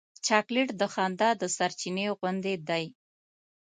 چاکلېټ د خندا د سرچېنې غوندې دی.